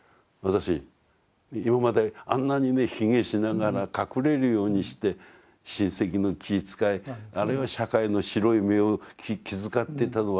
今まであんなにね卑下しながら隠れるようにして親戚の気遣いあるいは社会の白い目を気遣ってたのはあれは何だったんだろうと。